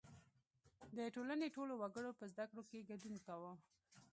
• د ټولنې ټولو وګړو په زدهکړو کې ګډون کاوه.